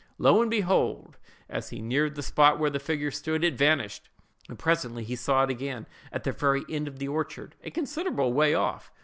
Lo, and behold! as he neared the spot where the figure stood, it vanished; and presently he saw it again, at the very end of the orchard, a considerable way off.